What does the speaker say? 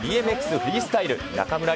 フリースタイル、中村輪